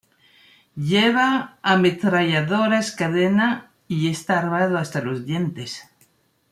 Lleva ametralladoras cadena y está armado hasta los dientes.